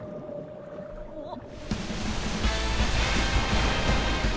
あっ！